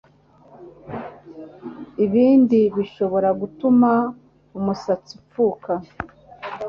Ibindi bishobora gutuma umusatsi upfuka